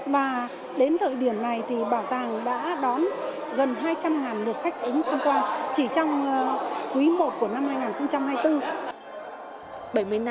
và đến thời điểm này thì bảo tàng đã đón gần hai trăm linh lượt khách ứng tham quan chỉ trong quý i của năm hai nghìn hai mươi bốn